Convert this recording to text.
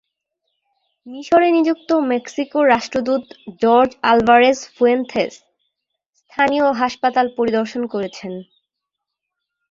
মিসরে নিযুক্ত মেক্সিকোর রাষ্ট্রদূত জর্জ আলভারেজ ফুয়েন্তেস স্থানীয় হাসপাতাল পরিদর্শন করেছেন।